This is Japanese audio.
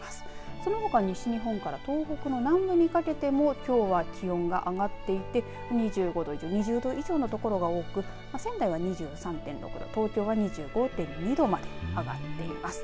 そのほか西日本から東北の南部にかけてもきょうは気温が上がっていて２５度以上２０度以上の所が多く仙台は２３度東京は２５．２度まで上がっています。